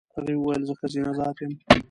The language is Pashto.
هغې وویل زه ښځینه ذات یم.